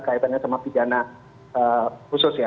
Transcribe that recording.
kaitannya sama pidana khusus ya